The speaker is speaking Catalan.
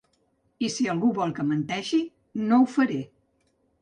I si algú vol que menteixi no ho faré.